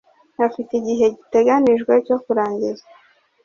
afite igihe giteganijwe cyo kurangiza